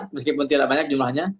meskipun tidak banyak jumlahnya